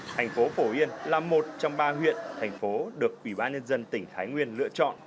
thành phố phổ yên là một trong ba huyện thành phố được ủy ban nhân dân tỉnh thái nguyên lựa chọn